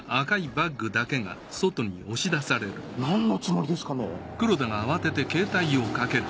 何のつもりですかね？